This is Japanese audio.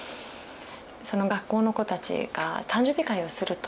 その学校の子たちが誕生日会をすると。